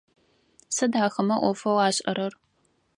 Сыд ахэмэ ӏофэу ашӏэрэр?